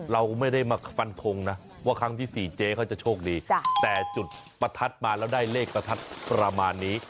เราไม่ได้มาฟันทงนะว่าครั้งที่๔เจ๊เขาจะโชคดีแต่จุดประทัดมาแล้วได้เลขประทัดประมาณนี้